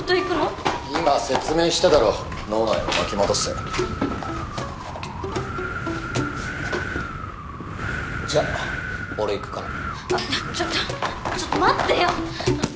今説明しただろ脳内を巻き戻せじゃあ俺行くからあっちょっちょっちょっと待ってよ！